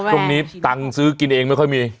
ตรงนี้ตังค์ซื้อกินเองไม่ค่อยมี